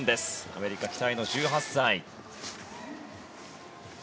アメリカ、期待の１８歳。